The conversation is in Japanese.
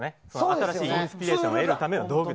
新しいインスピレーションを得るための。